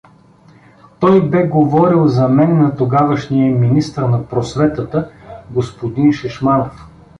Той бе говорил за мене на тогавашния министър на просветата г-н Шишманов.